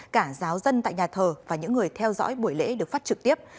cả giáo dân tại nhà thờ và những người theo dõi buổi lễ được phát trực tiếp